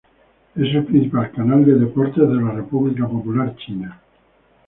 Es el principal canal de deportes de la República Popular China.